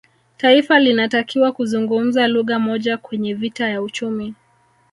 Taifa linatakiwa kuzungumza lugha moja kwenye vita ya uchumi